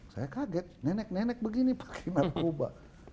saya kaget nenek nenek begini pakai narkoba